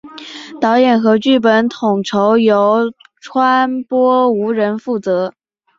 导演和剧本统筹由川波无人负责。